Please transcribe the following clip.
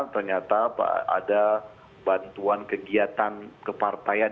ternyata ada bantuan kegiatan kepartaian